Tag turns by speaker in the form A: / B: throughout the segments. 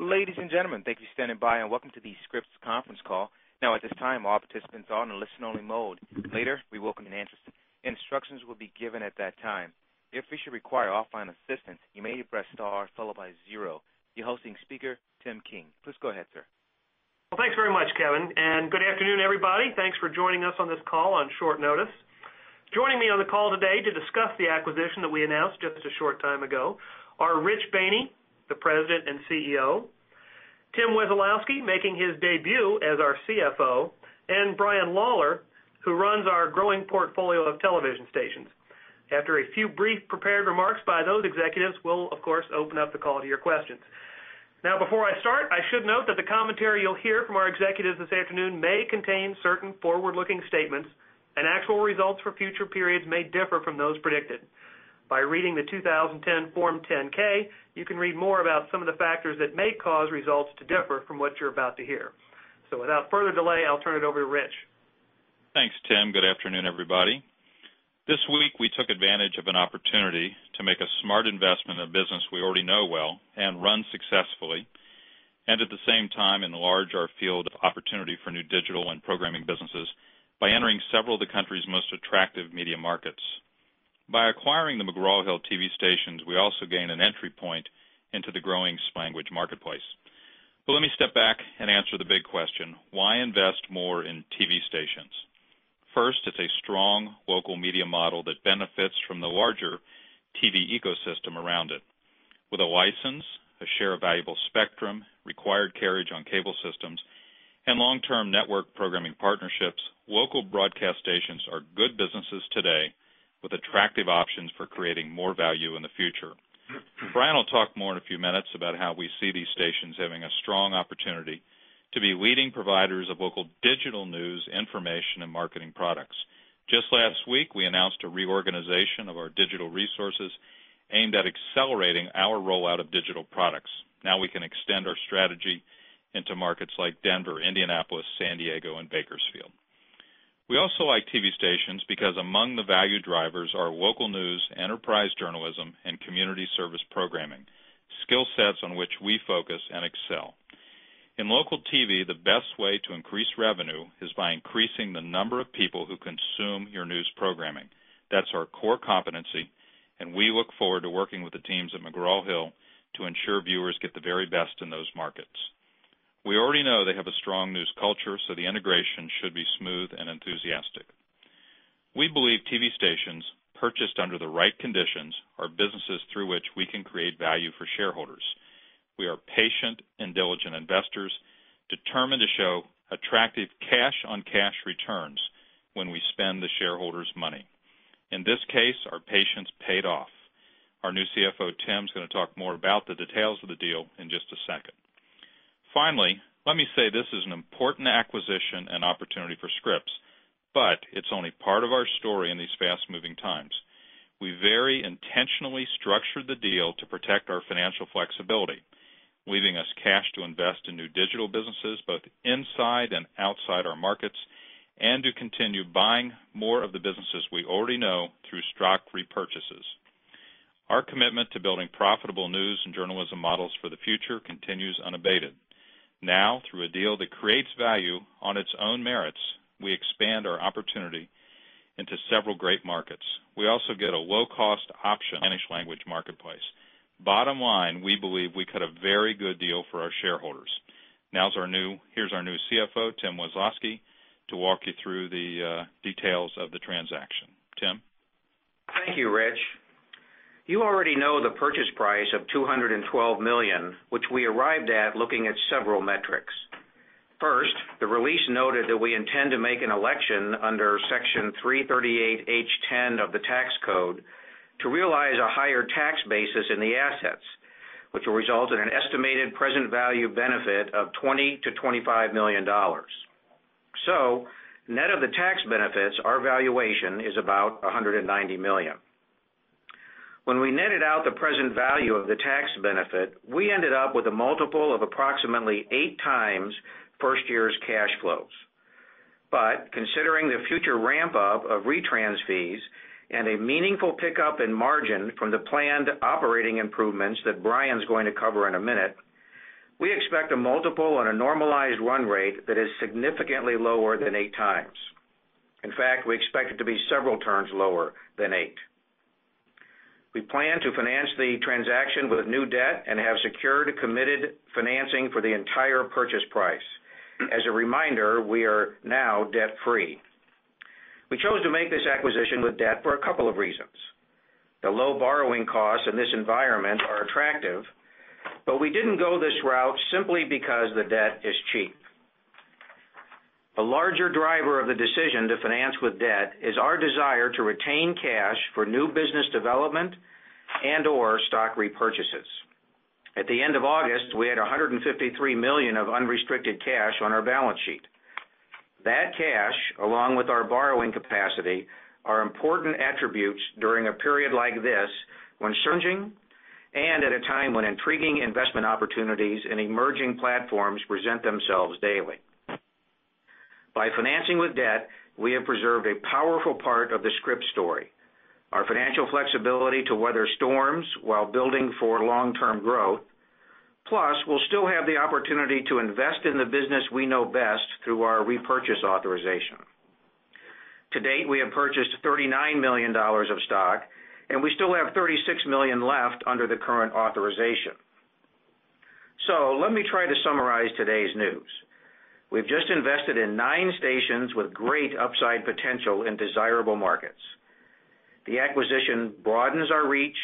A: Ladies and gentlemen, thank you for standing by and welcome to the Scripps Conference Call. At this time, all participants are in a listen-only mode. Later, we welcome your answers. Instructions will be given at that time. If you should require offline assistance, you may press star followed by zero. Your hosting speaker Tim King. Please go ahead, sir.
B: Thank you very much, Kevin, and good afternoon, everybody. Thank you for joining us on this call on short notice. Joining me on the call today to discuss the acquisition that we announced just a short time ago are Rich Boehne, the President and CEO, Tim Wesolowski, making his debut as our CFO, and Brian Lawlor, who runs our growing portfolio of television stations. After a few brief prepared remarks by those executives, we will, of course, open up the call to your questions. Before I start, I should note that the commentary you will hear from our executives this afternoon may contain certain forward-looking statements, and actual results for future periods may differ from those predicted. By reading the 2010 Form 10-K, you can read more about some of the factors that may cause results to differ from what you are about to hear. Without further delay, I will turn it over to Rich.
C: Thanks, Tim. Good afternoon, everybody. This week, we took advantage of an opportunity to make a smart investment in a business we already know well and run successfully, and at the same time, enlarge our field of opportunity for new digital and programming businesses by entering several of the country's most attractive media markets. By acquiring the McGraw Hill TV stations, we also gained an entry point into the growing Spanish-language marketplace. Let me step back and answer the big question: why invest more in TV stations? First, it's a strong local media model that benefits from the larger TV ecosystem around it. With a license, a share of valuable spectrum, required carriage on cable systems, and long-term network programming partnerships, local broadcast stations are good businesses today with attractive options for creating more value in the future. Brian will talk more in a few minutes about how we see these stations having a strong opportunity to be leading providers of local digital news, information, and marketing products. Just last week, we announced a reorganization of our digital resources aimed at accelerating our rollout of digital products. Now we can extend our strategy into markets like Denver, Indianapolis, San Diego, and Bakersfield. We also like TV stations because among the value drivers are local news, enterprise journalism, and community service programming, skill sets on which we focus and excel. In local TV, the best way to increase revenue is by increasing the number of people who consume your news programming. That's our core competency, and we look forward to working with the teams at McGraw Hill to ensure viewers get the very best in those markets. We already know they have a strong news culture, so the integration should be smooth and enthusiastic. We believe TV stations purchased under the right conditions are businesses through which we can create value for shareholders. We are patient, diligent investors determined to show attractive cash-on-cash returns when we spend the shareholders' money. In this case, our patience paid off. Our new CFO, Tim, is going to talk more about the details of the deal in just a second. Finally, let me say this is an important acquisition and opportunity for Scripps, but it's only part of our story in these fast-moving times. We very intentionally structured the deal to protect our financial flexibility, leaving us cash to invest in new digital businesses both inside and outside our markets, and to continue buying more of the businesses we already know through stock repurchases. Our commitment to building profitable news and journalism models for the future continues unabated. Now, through a deal that creates value on its own merits, we expand our opportunity into several great markets. We also get a low-cost option, Spanish-language marketplace. Bottom line, we believe we cut a very good deal for our shareholders. Now, here's our new CFO, Tim Wesolowski, to walk you through the details of the transaction. Tim?
D: Thank you, Rich. You already know the purchase price of $212 million, which we arrived at looking at several metrics. First, the release noted that we intend to make an election under Section 338(h)(10) of the tax code to realize a higher tax basis in the assets, which will result in an estimated present value benefit of $20 million-$25 million. Net of the tax benefits, our valuation is about $190 million. When we netted out the present value of the tax benefit, we ended up with a multiple of approximately 8x first year's cash flows. Considering the future ramp-up of retrans fees and a meaningful pickup in margin from the planned operating improvements that Brian's going to cover in a minute, we expect a multiple on a normalized run rate that is significantly lower than 8x. In fact, we expect it to be several turns lower than 8x. We plan to finance the transaction with new debt and have secured committed financing for the entire purchase price. As a reminder, we are now debt-free. We chose to make this acquisition with debt for a couple of reasons. The low borrowing costs in this environment are attractive, but we didn't go this route simply because the debt is cheap. A larger driver of the decision to finance with debt is our desire to retain cash for new business development and/or stock repurchases. At the end of August, we had $153 million of unrestricted cash on our balance sheet. That cash, along with our borrowing capacity, are important attributes during a period like this when surging and at a time when intriguing investment opportunities in emerging platforms present themselves daily. By financing with debt, we have preserved a powerful part of the Scripps story. Our financial flexibility to weather storms while building for long-term growth, plus, we'll still have the opportunity to invest in the business we know best through our repurchase authorization. To date, we have purchased $39 million of stock, and we still have $36 million left under the current authorization. Let me try to summarize today's news. We've just invested in nine stations with great upside potential in desirable markets. The acquisition broadens our reach,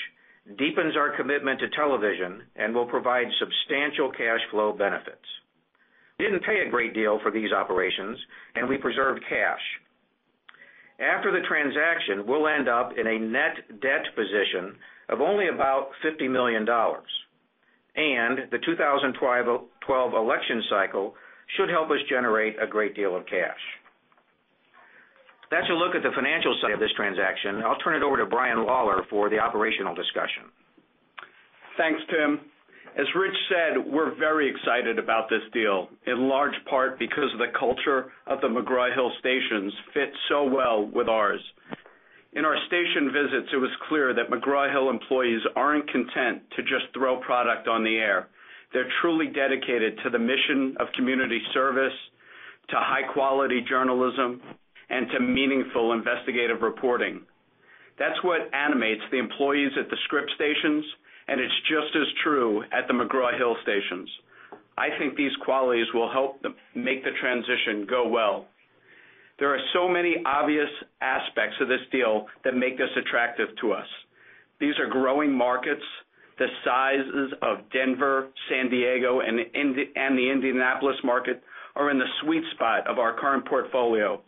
D: deepens our commitment to television, and will provide substantial cash flow benefits. We didn't pay a great deal for these operations, and we preserved cash. After the transaction, we'll end up in a net debt position of only about $50 million, and the 2012 election cycle should help us generate a great deal of cash. That's a look at the financial side of this transaction. I'll turn it over to Brian Lawlor for the operational discussion.
E: Thanks, Tim. As Rich said, we're very excited about this deal, in large part because the culture of the McGraw Hill stations fits so well with ours. In our station visits, it was clear that McGraw Hill employees aren't content to just throw product on the air. They're truly dedicated to the mission of community service, to high-quality journalism, and to meaningful investigative reporting. That's what animates the employees at the Scripps stations, and it's just as true at the McGraw Hill stations. I think these qualities will help make the transition go well. There are so many obvious aspects of this deal that make this attractive to us. These are growing markets. The sizes of Denver, San Diego, and the Indianapolis market are in the sweet spot of our current portfolio,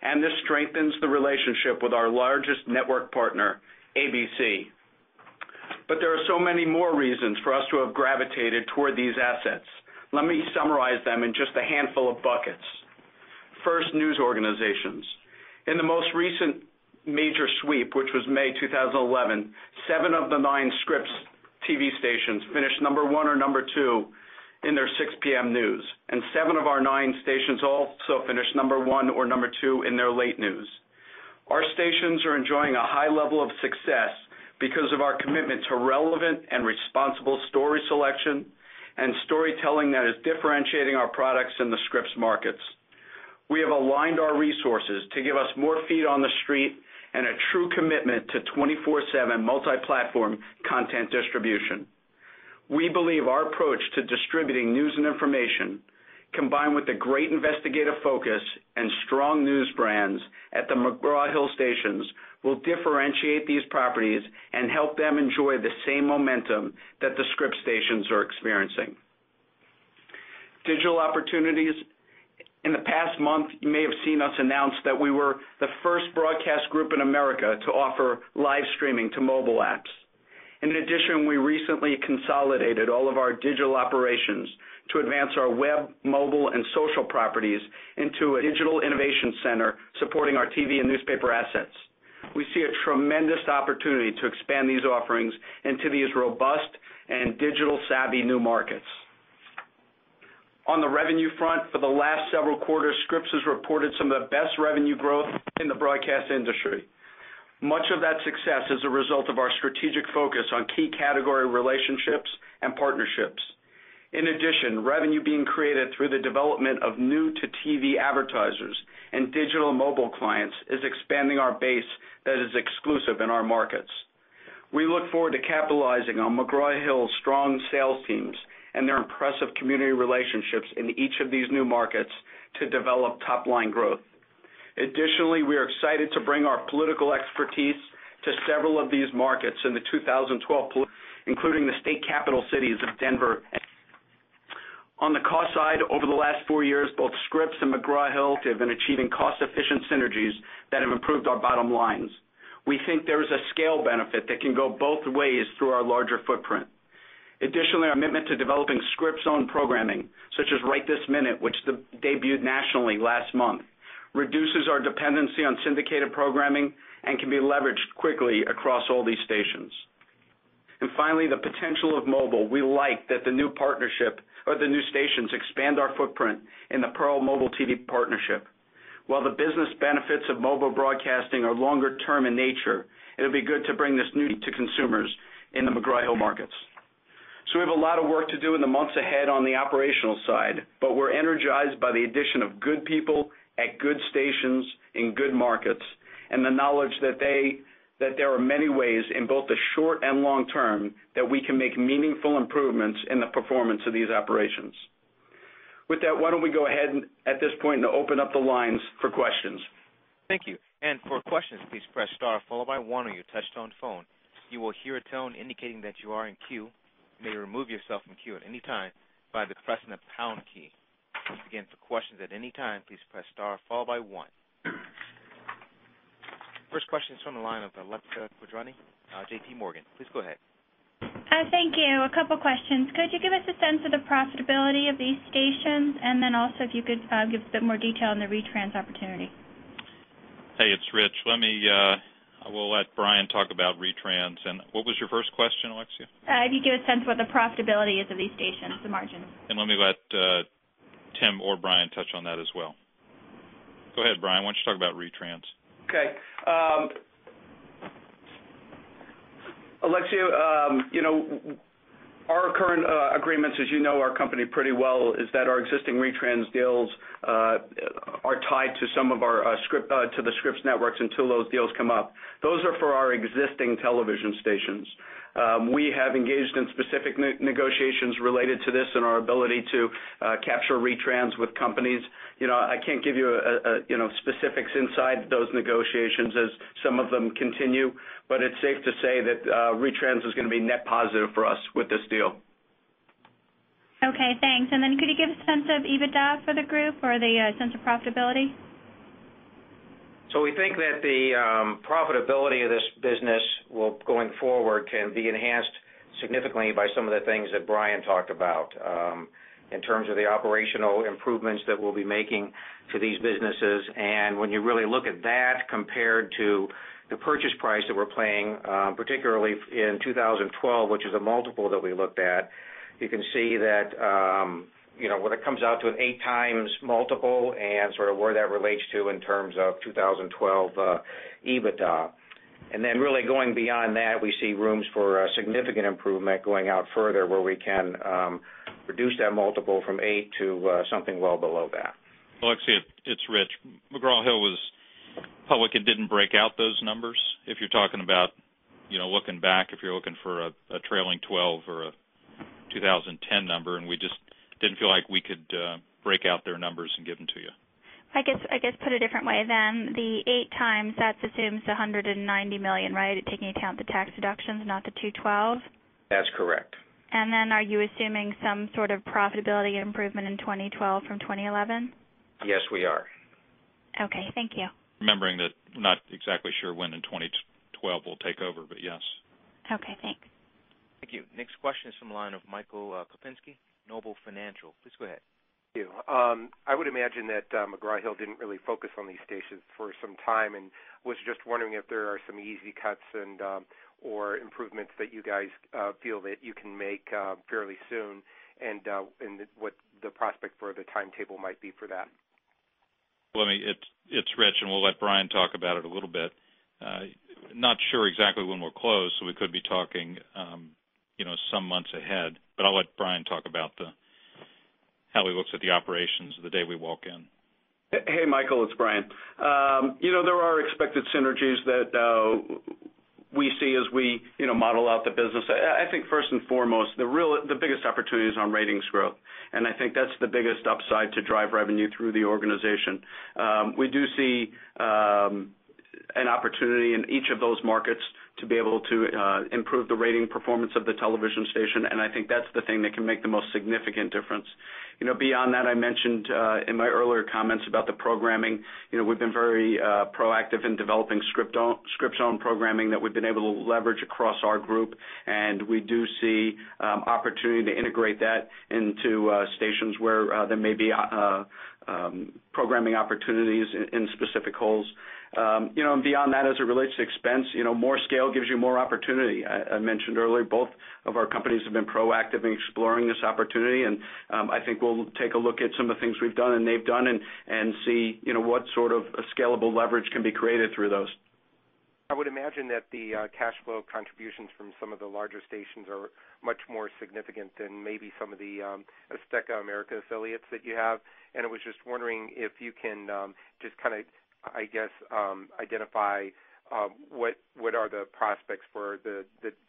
E: and this strengthens the relationship with our largest network partner, ABC. There are so many more reasons for us to have gravitated toward these assets. Let me summarize them in just a handful of buckets. First, news organizations. In the most recent major sweep, which was May 2011, seven of the nine Scripps TV stations finished number one or number two in their 6:00 P.M. news, and seven of our nine stations also finished number one or number two in their late news. Our stations are enjoying a high level of success because of our commitment to relevant and responsible story selection and storytelling that is differentiating our products in the Scripps markets. We have aligned our resources to give us more feet on the street and a true commitment to 24/7 multi-platform content distribution. We believe our approach to distributing news and information, combined with the great investigative focus and strong news brands at the McGraw Hill stations, will differentiate these properties and help them enjoy the same momentum that the Scripps stations are experiencing. Digital opportunities. In the past month, you may have seen us announce that we were the first broadcast group in America to offer live streaming to mobile apps. In addition, we recently consolidated all of our digital operations to advance our web, mobile, and social properties into a digital innovation center supporting our TV and newspaper assets. We see a tremendous opportunity to expand these offerings into these robust and digital-savvy new markets. On the revenue front, for the last several quarters, Scripps has reported some of the best revenue growth in the broadcast industry. Much of that success is a result of our strategic focus on key category relationships and partnerships. In addition, revenue being created through the development of new-to-TV advertisers and digital mobile clients is expanding our base that is exclusive in our markets. We look forward to capitalizing on McGraw Hill's strong sales teams and their impressive community relationships in each of these new markets to develop top-line growth. Additionally, we are excited to bring our political expertise to several of these markets in 2012, including the state capital cities of Denver. On the cost side, over the last four years, both Scripps and McGraw Hill have been achieving cost-efficient synergies that have improved our bottom lines. We think there is a scale benefit that can go both ways through our larger footprint. Additionally, our commitment to developing Scripps-owned programming, such as RightThisMinute, which debuted nationally last month, reduces our dependency on syndicated programming and can be leveraged quickly across all these stations. Finally, the potential of mobile. We like that the new partnership or the new stations expand our footprint in the Pearl Mobile DTV partnership. While the business benefits of mobile broadcasting are longer-term in nature, it'll be good to bring this new to consumers in the McGraw Hill markets. We have a lot of work to do in the months ahead on the operational side, but we're energized by the addition of good people at good stations in good markets and the knowledge that there are many ways in both the short and long term that we can make meaningful improvements in the performance of these operations. With that, why don't we go ahead at this point and open up the lines for questions?
A: Thank you. For questions, please press star followed by one on your touch-tone phone. You will hear a tone indicating that you are in queue. You may remove yourself from queue at any time by pressing the pound key. Once again, for questions at any time, please press star followed by one. First question is from the line of Alexia Quadrani, JP Morgan. Please go ahead.
F: Thank you. A couple of questions. Could you give us a sense of the profitability of these stations? If you could give a bit more detail on the retrans opportunity?
C: Hey, it's Rich. I will let Brian talk about retrans. What was your first question, Alexia?
F: If you give a sense of what the profitability is of these stations, the margins.
C: Let me let Tim or Brian touch on that as well. Go ahead, Brian. Why don't you talk about retrans?
E: Okay. Alexia, you know, our current agreements, as you know our company pretty well, is that our existing retrans deals are tied to some of our Scripps Networks. Two of those deals come up. Those are for our existing television stations. We have engaged in specific negotiations related to this and our ability to capture retrans with companies. I can't give you specifics inside those negotiations as some of them continue, but it's safe to say that retrans is going to be net positive for us with this deal.
F: Okay, thanks. Could you give a sense of EBITDA for the group or the sense of profitability?
D: We think that the profitability of this business going forward can be enhanced significantly by some of the things that Brian talked about in terms of the operational improvements that we'll be making to these businesses. When you really look at that compared to the purchase price that we're paying, particularly in 2012, which is a multiple that we looked at, you can see that when it comes out to an 8x multiple and sort of where that relates to in terms of 2012 EBITDA. Really going beyond that, we see room for significant improvement going out further where we can reduce that multiple from 8x to something well below that.
C: Alexia, it's Rich. McGraw Hill was public and didn't break out those numbers. If you're talking about looking back, if you're looking for a trailing 12x or a 2010 number, we just didn't feel like we could break out their numbers and give them to you.
F: I guess put a different way then, the 8x, that assumes $190 million, right, taking into account the tax deductions, not the $212 million?
D: That's correct.
F: Are you assuming some sort of profitability improvement in 2012 from 2011?
D: Yes, we are.
F: Okay, thank you.
C: Remembering that we're not exactly sure when in 2012 we'll take over, but yes.
F: Okay, thanks.
A: Thank you. Next question is from the line of Michael Kupinski, Noble Financial. Please go ahead.
G: I would imagine that McGraw Hill didn't really focus on these stations for some time and was just wondering if there are some easy cuts and/or improvements that you guys feel that you can make fairly soon and what the prospect for the timetable might be for that.
C: It's Rich, and we'll let Brian talk about it a little bit. Not sure exactly when we're closed, so we could be talking some months ahead, but I'll let Brian talk about how he looks at the operations the day we walk in.
E: Hey Michael, it's Brian. There are expected synergies that we see as we model out the business. I think first and foremost, the biggest opportunity is on ratings growth, and I think that's the biggest upside to drive revenue through the organization. We do see an opportunity in each of those markets to be able to improve the rating performance of the television station, and I think that's the thing that can make the most significant difference. Beyond that, I mentioned in my earlier comments about the programming, we've been very proactive in developing Scripps-owned programming that we've been able to leverage across our group, and we do see opportunity to integrate that into stations where there may be programming opportunities in specific holes. Beyond that, as it relates to expense, more scale gives you more opportunity. I mentioned earlier, both of our companies have been proactive in exploring this opportunity, and I think we'll take a look at some of the things we've done and they've done and see what sort of a scalable leverage can be created through those.
G: I would imagine that the cash flow contributions from some of the larger stations are much more significant than maybe some of the Azteca America affiliates that you have. I was just wondering if you can just kind of, I guess, identify what are the prospects for the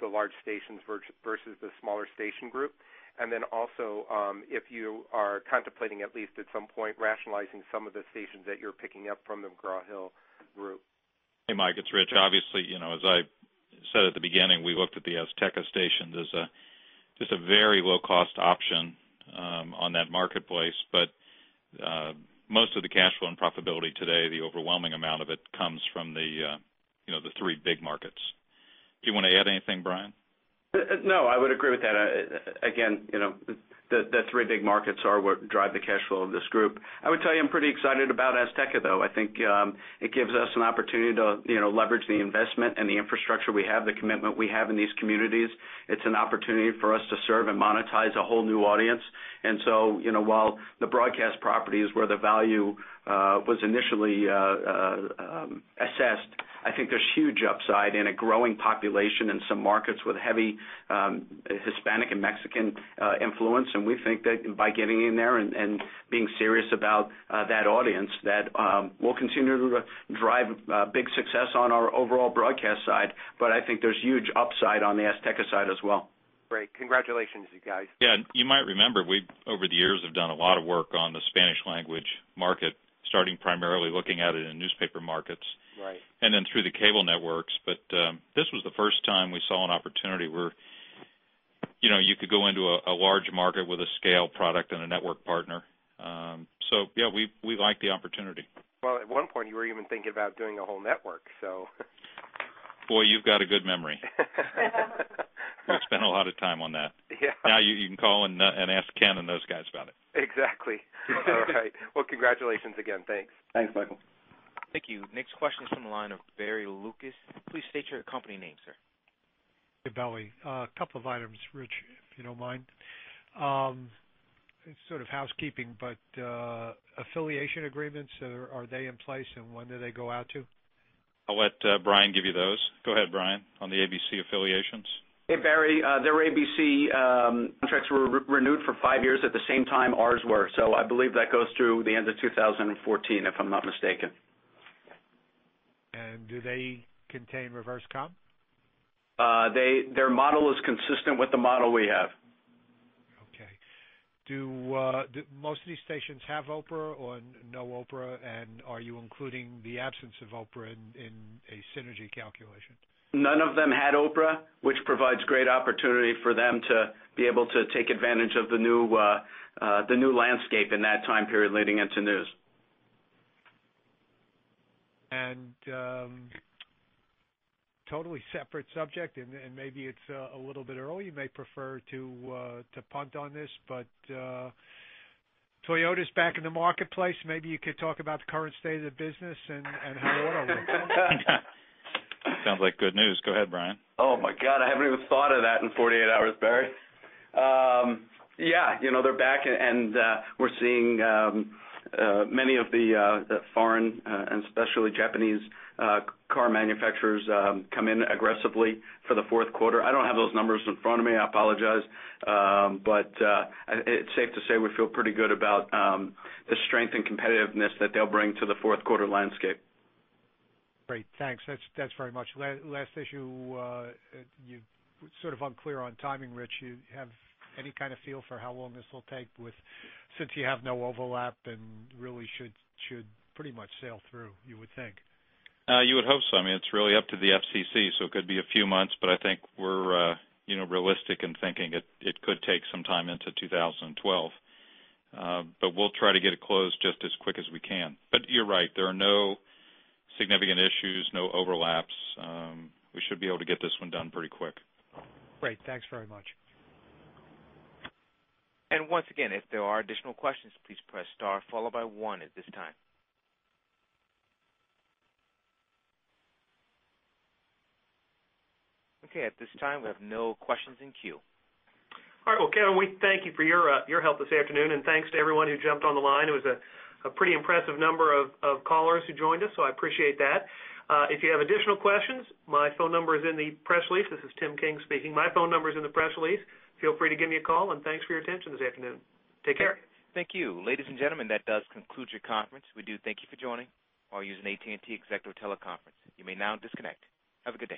G: large stations versus the smaller station group? Also, if you are contemplating at least at some point rationalizing some of the stations that you're picking up from the McGraw Hill group.
C: Hey Mike, it's Rich. Obviously, as I said at the beginning, we looked at the Azteca stations as just a very low-cost option on that marketplace, but most of the cash flow and profitability today, the overwhelming amount of it comes from the three big markets. Do you want to add anything, Brian?
E: No, I would agree with that. Again, the three big markets are what drive the cash flow of this group. I would tell you I'm pretty excited about Azteca, though. I think it gives us an opportunity to leverage the investment and the infrastructure we have, the commitment we have in these communities. It's an opportunity for us to serve and monetize a whole new audience. While the broadcast properties were where the value was initially assessed, I think there's huge upside in a growing population in some markets with heavy Hispanic and Mexican influence. We think that by getting in there and being serious about that audience, that will continue to drive big success on our overall broadcast side. I think there's huge upside on the Azteca side as well.
G: Great. Congratulations, you guys.
C: Yeah, you might remember, we over the years have done a lot of work on the Spanish-language market, starting primarily looking at it in newspaper markets and then through the cable networks. This was the first time we saw an opportunity where you could go into a large market with a scale product and a network partner. Yeah, we like the opportunity.
G: At one point, you were even thinking about doing a whole network, so.
C: Boy, you've got a good memory. I spent a lot of time on that. Yeah, now you can call and ask Ken and those guys about it.
G: Exactly. All right. Congratulations again. Thanks.
E: Thanks, Michael.
A: Thank you. Next question is from the line of Barry Lucas. Please state your company name, sir.
H: Gabelli. A couple of items, Rich, if you don't mind. It's sort of housekeeping, but affiliation agreements, are they in place, and when do they go out to?
C: I'll let Brian give you those. Go ahead, Brian, on the ABC affiliations.
E: Hey, Barry. Their ABC contracts were renewed for five years at the same time ours were. I believe that goes through the end of 2014, if I'm not mistaken.
H: Do they contain reverse comp?
E: Their model is consistent with the model we have.
H: Okay. Do most of these stations have Oprah or no Oprah, and are you including the absence of Oprah in a synergy calculation?
E: None of them had Oprah, which provides great opportunity for them to be able to take advantage of the new landscape in that time period leading into news.
H: Totally separate subject, and maybe it's a little bit early. You may prefer to punt on this, but Toyota's back in the marketplace. Maybe you could talk about the current state of the business and how it all works.
C: Sounds like good news. Go ahead, Brian.
E: Oh my God, I haven't even thought of that in 48 hours, Barry. Yeah, you know, they're back and we're seeing many of the foreign and especially Japanese car manufacturers come in aggressively for the fourth quarter. I don't have those numbers in front of me, I apologize, but it's safe to say we feel pretty good about the strength and competitiveness that they'll bring to the fourth quarter landscape.
H: Great, thanks. That's very much the last issue. You're sort of unclear on timing, Rich. You have any kind of feel for how long this will take since you have no overlap and really should pretty much sail through, you would think?
C: You would hope so. I mean, it's really up to the FCC, so it could be a few months. I think we're realistic in thinking it could take some time into 2012. We'll try to get it closed just as quick as we can. You're right, there are no significant issues, no overlaps. We should be able to get this one done pretty quick.
H: Great, thanks very much.
A: Once again, if there are additional questions, please press star followed by one at this time. At this time, we have no questions in queue.
B: All right, Kevin, we thank you for your help this afternoon and thanks to everyone who jumped on the line. It was a pretty impressive number of callers who joined us, so I appreciate that. If you have additional questions, my phone number is in the press release. This is Tim King speaking. My phone number is in the press release. Feel free to give me a call and thanks for your attention this afternoon. Take care.
A: Thank you. Ladies and gentlemen, that does conclude your conference. We do thank you for joining. We're using AT&T Executive Teleconference. You may now disconnect. Have a good day.